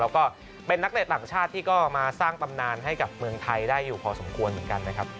แล้วก็เป็นนักเตะต่างชาติที่ก็มาสร้างตำนานให้กับเมืองไทยได้อยู่พอสมควรเหมือนกันนะครับ